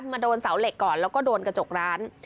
มาโดนเสาเหล็กก่อนแล้วก็โดนกระจกร้าน